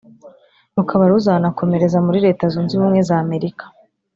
rukaba ruzanakomereza muri Leta Zunze Ubumwe za Amerika